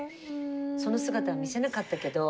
その姿は見せなかったけど。